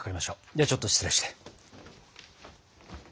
ではちょっと失礼して。